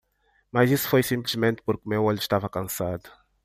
Mas isso foi simplesmente porque meu olho estava cansado.